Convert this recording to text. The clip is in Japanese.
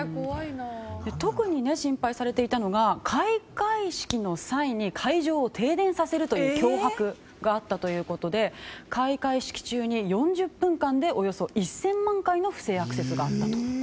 特に心配されていたのが開会式の際に会場を停電させるという脅迫があったということで開会式中に４０分間でおよそ１０００万回の不正アクセスがあったと。